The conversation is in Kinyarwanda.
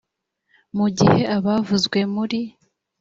mu gihe abavuzwe muri